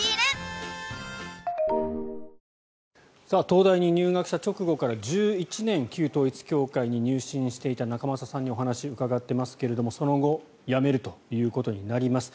東大に入学した直後から１１年旧統一教会に入信していた仲正さんにお話を伺っていますけれどその後やめるということになります。